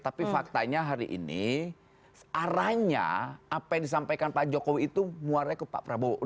tapi faktanya hari ini arahnya apa yang disampaikan pak jokowi itu muaranya ke pak prabowo